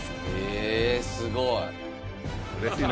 えすごい。